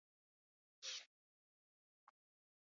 دوێنێ شەو نامەیەکم نووسی.